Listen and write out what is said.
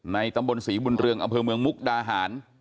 ตำบลศรีบุญเรืองอำเภอเมืองมุกดาหาร